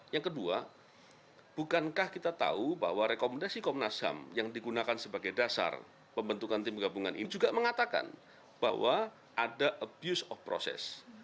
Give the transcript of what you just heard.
yang kedua bukankah kita tahu bahwa rekomendasi komnas ham yang digunakan sebagai dasar pembentukan tim gabungan ini juga mengatakan bahwa ada abuse of process